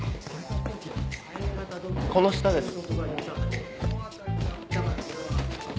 この下です。